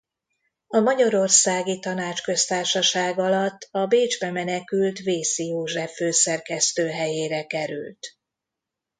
A Magyarországi Tanácsköztársaság alatt a Bécsbe menekült Vészi József főszerkesztő helyére került.